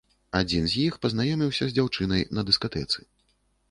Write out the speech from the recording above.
Адзін з іх пазнаёміўся з дзяўчынай на дыскатэцы.